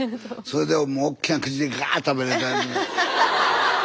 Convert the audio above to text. それでおっきな口でガーッ食べて。